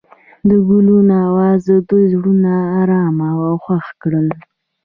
د ګلونه اواز د دوی زړونه ارامه او خوښ کړل.